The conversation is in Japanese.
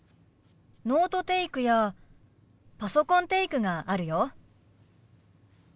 ノートテイクやパソコンテイクがあるよ。